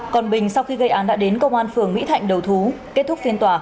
còn bình sau khi gây án đã đến công an phường mỹ thạnh đầu thú kết thúc phiên tòa